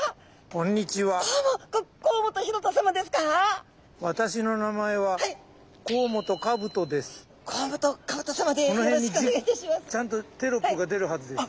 この辺にちゃんとテロップが出るはずです。